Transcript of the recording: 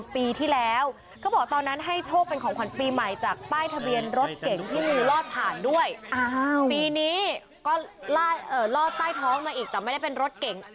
ปีนี้ก็ลอดใต้ท้องมาอีกแต่ไม่ได้เป็นรถเก่ง